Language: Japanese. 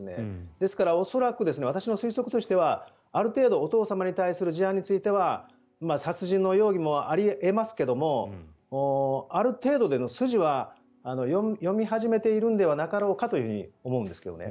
ですから恐らく私の推測としてはある程度、お父様の事案については殺人の容疑もあり得ますがある程度での筋は読み始めているのではなかろうかと思うんですけどね。